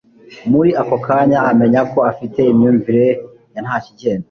Muri ako kanya amenya ko afite imyumvire ya ntakigenda.